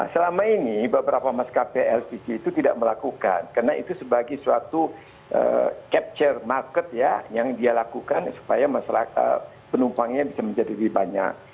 selama ini beberapa maskapai lcg itu tidak melakukan karena itu sebagai suatu capture market ya yang dia lakukan supaya penumpangnya bisa menjadi lebih banyak